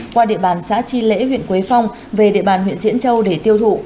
qua địa bàn xã chi lễ huyện quế phong về địa bàn huyện diễn châu để tiêu thụ